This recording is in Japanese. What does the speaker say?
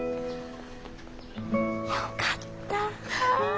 よかった。